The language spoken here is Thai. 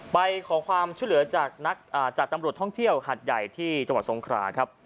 ไปขอความช่วยเหลือจากตำรวจท่องเที่ยวหัดใหญ่ที่จังหวัดสงคราครับ